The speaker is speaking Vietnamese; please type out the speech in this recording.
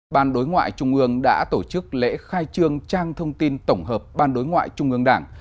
ban đối ngoại trung ương đã tổ chức lễ khai trương trang thông tin tổng hợp ban đối ngoại trung ương đảng